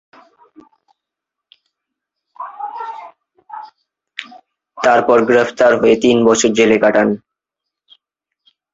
তারপর গ্রেফতার হয়ে তিন বছর জেলে কাটান।